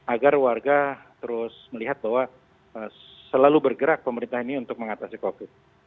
agar warga terus melihat bahwa selalu bergerak pemerintah ini untuk mengatasi covid